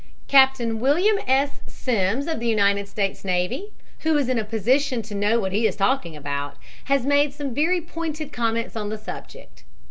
Captain William S. Sims, of the United States Navy, who is in a position to know what he is talking about, has made some very pointed comments on the subject.